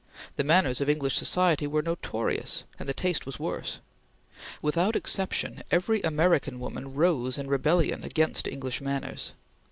The manners of English society were notorious, and the taste was worse. Without exception every American woman rose in rebellion against English manners.